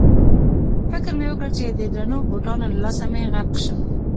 فکر مې وکړ چې د درنو بوټانو له لاسه به غرق شم.